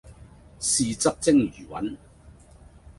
豉汁蒸魚雲